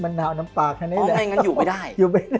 มีทั้งน้ำสวีป